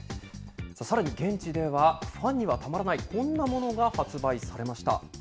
さらに現地では、ファンにはたまらないこんなものが発売されました。